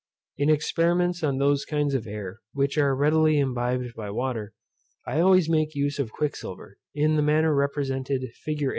In experiments on those kinds of air which are readily imbibed by water, I always make use of quicksilver, in the manner represented fig.